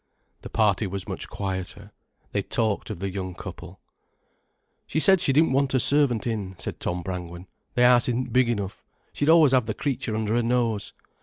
The party was much quieter. They talked of the young couple. "She said she didn't want a servant in," said Tom Brangwen. "The house isn't big enough, she'd always have the creature under her nose.